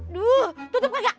aduh tutup gak